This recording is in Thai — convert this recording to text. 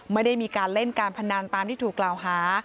ไม่ได้มีการเล่นการพนันตามที่ถูกกล่าวหา